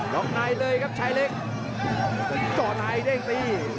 ดอกในเลยครับชายเล็กจอดในได้ยังตี